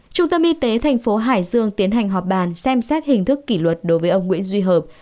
trung tâm y tế thành phố hải dương tiến hành họp bàn xem xét hình thức kỷ luật đối với ông nguyễn duy hợp